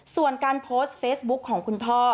ส่วนการโพสต์เฟซบุ๊คของคุณพ่อ